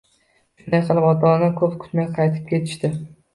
Shunday qilib, ota-ona ko`p kutmay qaytib ketishdi